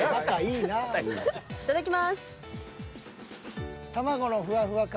いただきます。